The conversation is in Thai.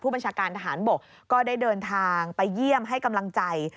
บัญชาการทหารบกก็ได้เดินทางไปเยี่ยมให้กำลังใจ